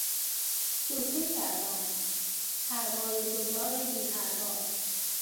شوخی کردم. سرمایه گذار بی پروا